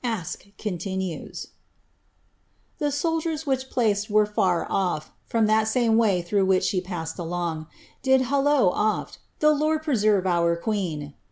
Aske continues :The soldiers which placed were far off From that same way through which she passed along, Did hallo ofl, * The Lord preserve our queen!